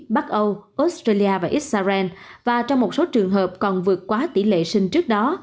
bắc âu australia và israel và trong một số trường hợp còn vượt quá tỷ lệ sinh trước đó